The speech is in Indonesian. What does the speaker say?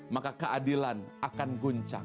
maka keadilan akan guncang